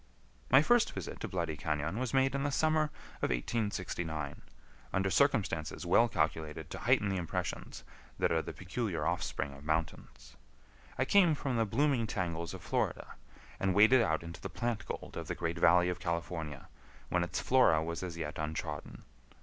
My first visit to Bloody Cañon was made in the summer of 1869, under circumstances well calculated to heighten the impressions that are the peculiar offspring of mountains. I came from the blooming tangles of Florida, and waded out into the plant gold of the great valley of California, when its flora was as yet untrodden.